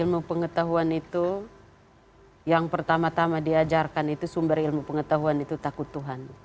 ilmu pengetahuan itu yang pertama tama diajarkan itu sumber ilmu pengetahuan itu takut tuhan